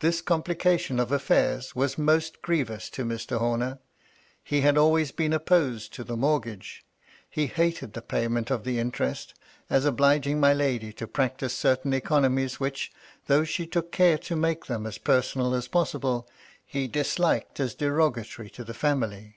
This complication of affairs was most grievous to Mr. Homer. He had always been opposed to the mort gage ; had hated the payment of the interest, as obliging my lady to practise certain economies which, though she took care to make them as personal as possible, he 270 MY LADY LUDLOW. disliked as derogatory to the fianily.